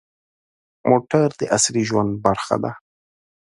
موټر د عصري ژوند برخه ده.